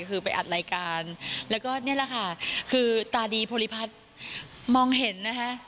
คือไปอัดรายการแล้วก็นี่แหละค่ะคือตาดีโพลิพัฒน์มองเห็นนะคะ